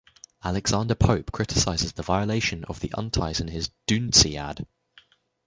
Alexander Pope criticizes the violation of the unities in his "Dunciad".